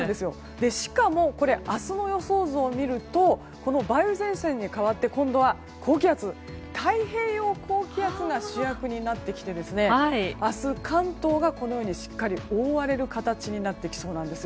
しかも明日の予想図を見るとこの梅雨前線に変わって今度は太平洋高気圧が主役になってきて明日、関東がこのようにしっかり覆われる形になるんです。